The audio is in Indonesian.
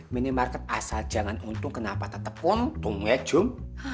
minimarket asal jangan untung kenapa tetap untung ya jum